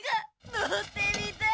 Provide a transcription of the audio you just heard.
乗ってみたい！